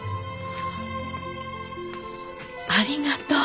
ありがとう。